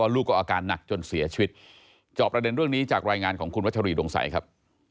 ลูกก็อาการหนักจนเสียชีวิตจอบประเด็นเรื่องนี้จากรายงานของคุณวัชรีดงสัยครับ